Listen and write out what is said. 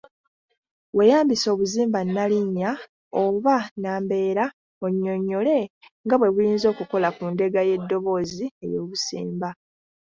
Weeyambise obuzimba nnalinnya oba nnambeera onnyonnyole nga bwe buyinza okukola ku ndeega y’eddoboozi ey’obusimba.